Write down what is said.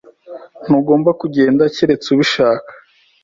Ntugomba kugenda keretse ubishaka.